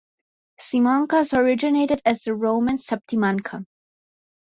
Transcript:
Simancas originated as the Roman "Septimanca".